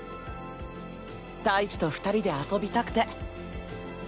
太一と２人で遊びたくて。